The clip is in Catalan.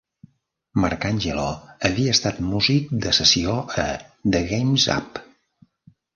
Marcangelo havia estat músic de sessió a "The Game's Up".